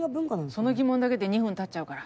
その疑問だけで２分たっちゃうから。